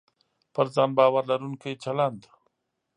پر ځان باور لرونکی چلند